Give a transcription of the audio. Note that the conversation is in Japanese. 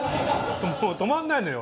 止まんないのよ